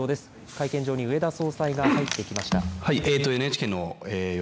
会見場に植田総裁が入ってきました。